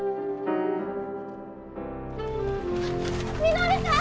稔さん！